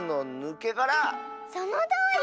そのとおり！